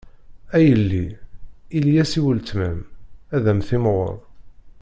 A yelli, ili-as i weltma-m, ad am-timɣur.